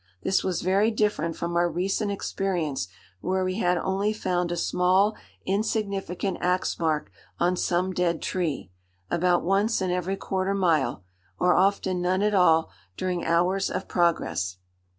This was very different from our recent experience where we had only found a small insignificant axe mark on some dead tree, about once in every quarter mile, or often none at all during hours of progress.